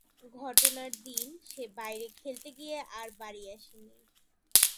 ঘটনার দিন সে বাইরে খেলতে গিয়ে আর বাড়ি আসেনি।